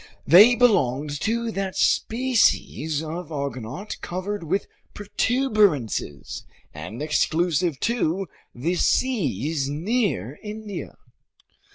They belonged to that species of argonaut covered with protuberances and exclusive to the seas near India.